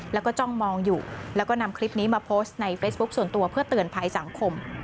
แล้วก็จ้องมองอยู่แล้วก็นำคลิปนี้มาโพสต์ในเฟซบุ๊คส่วนตัวเพื่อเตือนภัยสังคม